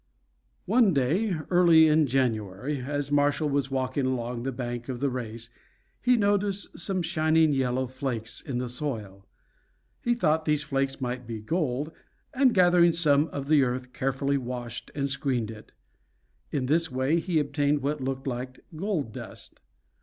One day early in January, as Marshall was walking along the bank of the race, he noticed some shining yellow flakes in the soil. He thought these flakes might be gold, and gathering some of the earth carefully washed and screened it. In this way he obtained what looked like gold dust.